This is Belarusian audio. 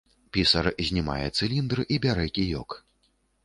Пісар знімае цыліндр і бярэ кіёк.